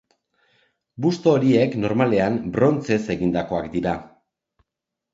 Busto horiek normalean brontzez egindakoak dira.